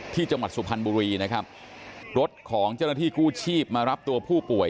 จังหวัดสุพรรณบุรีนะครับรถของเจ้าหน้าที่กู้ชีพมารับตัวผู้ป่วย